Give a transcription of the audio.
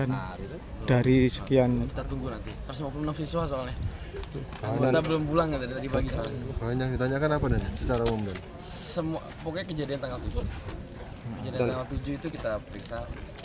kejadian tanggal tujuh itu kita periksa